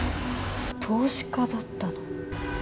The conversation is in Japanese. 投資家だったの？